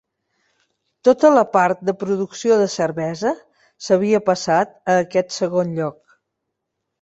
Tota la part de producció de cervesa s'havia passat a aquest segon lloc.